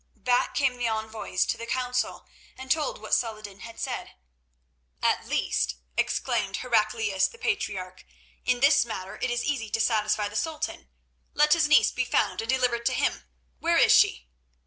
Back came the envoys to the council and told what Saladin had said. "At least," exclaimed Heraclius the Patriarch, "in this matter it is easy to satisfy the Sultan. Let his niece be found and delivered to him. Where is she?"